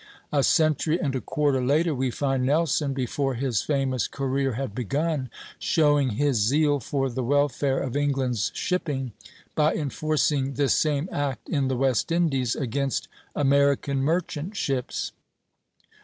A century and a quarter later we find Nelson, before his famous career had begun, showing his zeal for the welfare of England's shipping by enforcing this same act in the West Indies against American merchant ships.